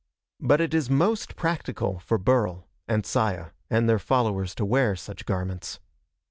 But it is most practical for Burl, and Saya, and their followers to wear such garments.